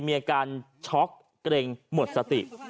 มีอาการช็อกเกร็งหมดสติ